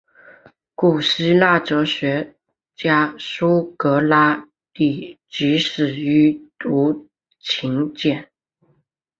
古希腊哲学家苏格拉底即死于毒芹碱。